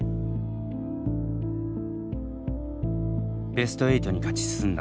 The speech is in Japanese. ベスト８に勝ち進んだ